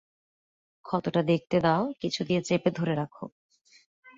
ক্ষতটা দেখতে দাও, কিছু দিয়ে চেপে ধরে রাখো।